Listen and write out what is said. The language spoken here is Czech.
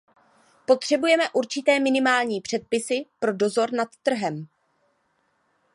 Potřebujeme určité minimální předpisy pro dozor nad trhem.